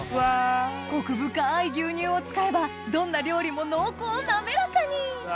コク深い牛乳を使えばどんな料理も濃厚滑らかに！